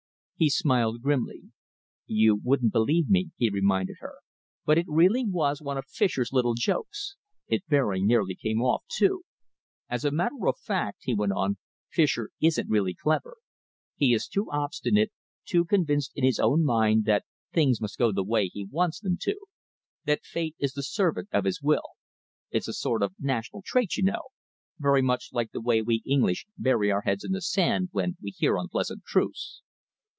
He smiled grimly. "You wouldn't believe me," he reminded her, "but it really was one of Fischer's little jokes. It very nearly came off, too. As a matter of fact," he went on, "Fischer isn't really clever. He is too obstinate, too convinced in his own mind that things must go the way he wants them to, that Fate is the servant of his will. It's a sort of national trait, you know, very much like the way we English bury our heads in the sand when we hear unpleasant truths.